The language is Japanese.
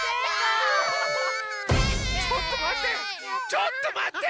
ちょっとまって！